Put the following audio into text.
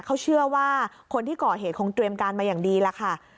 เขาเชื่อว่าคนที่ก่อเหตุคงเตรียมการมาอย่างดีล่ะค่ะ